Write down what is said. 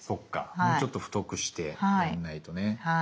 もうちょっと太くしてやんないとね。